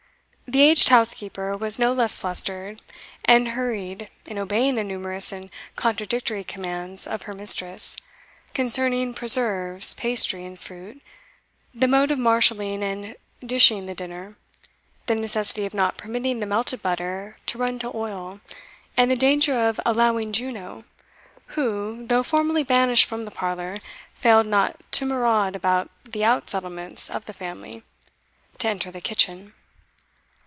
The aged housekeeper was no less flustered and hurried in obeying the numerous and contradictory commands of her mistress, concerning preserves, pastry and fruit, the mode of marshalling and dishing the dinner, the necessity of not permitting the melted butter to run to oil, and the danger of allowing Juno who, though formally banished from the parlour, failed not to maraud about the out settlements of the family to enter the kitchen.